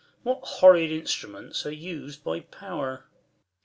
Duke. What horrid instruments are us'd by pow'r